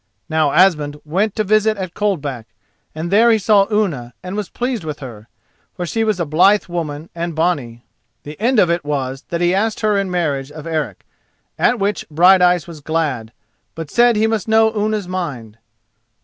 Now Asmund went to visit at Coldback, and there he saw Unna, and was pleased with her, for she was a blithe woman and a bonny. The end of it was that he asked her in marriage of Eric; at which Brighteyes was glad, but said that he must know Unna's mind.